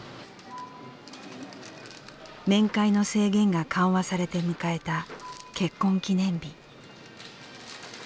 面会の制限が緩和されて迎えた結婚記念日。